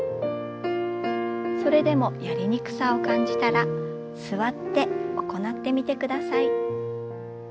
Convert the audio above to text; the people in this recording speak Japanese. それでもやりにくさを感じたら座って行ってみてください。